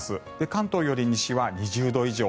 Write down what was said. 関東より西は２０度以上。